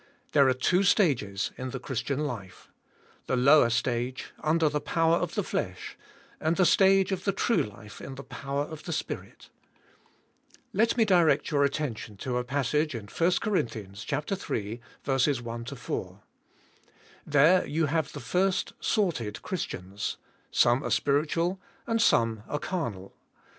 There are two stages in the Christian life: the lower stage under the power of the flesh, and the stage of the true life in the power of the Spirit. Let me direct your attention to a passage in 1 Cor, 3: 1 4. 2 THE SPIRITUAL LIFK. There you have the first sorted Christians, some are spiritual and some are carnal.